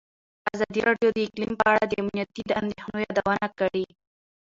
ازادي راډیو د اقلیم په اړه د امنیتي اندېښنو یادونه کړې.